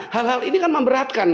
hal hal ini kan memberatkan